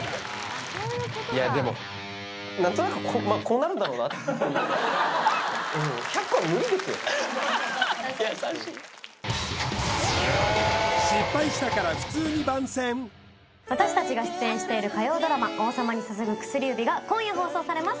これいやでも何となく確かに優しい失敗したから私達が出演している火曜ドラマ「王様に捧ぐ薬指」が今夜放送されます